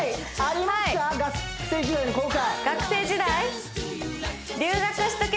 学生時代？